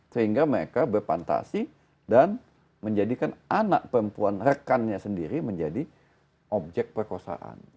sehingga mereka berpantasi dan menjadikan anak perempuan rekannya sendiri menjadi objek perkosaan